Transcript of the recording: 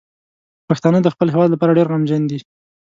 پښتانه د خپل هیواد لپاره ډیر غمجن دي.